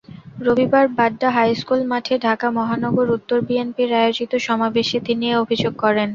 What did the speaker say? রবিবার বাড্ডা হাইস্কুল মাঠে ঢাকা মহানগর উত্তর বিএনপির আয়োজিত সমাবেশে তিনি এ অভিযোগ করেন।